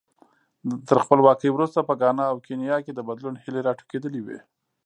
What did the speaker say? تر خپلواکۍ وروسته په ګانا او کینیا کې د بدلون هیلې راټوکېدلې وې.